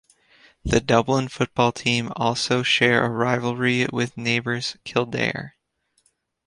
The Dublin football team also share a rivalry with neighbours Kildare.